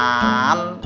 apa hubungannya susan